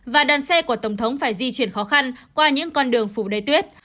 và đoàn xe của tổng thống phải di chuyển khó khăn qua những con đường phủ đầy tuyết